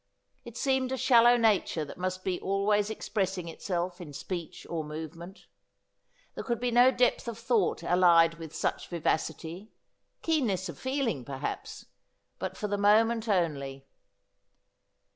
It seemed a shallow nature that must be always expressing itself in speech or movement. There could be no depth of thought allied with such vivacity — keenness of feeling, perhaps, but for the moment only.